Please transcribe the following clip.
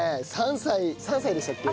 ３歳３歳でしたっけ？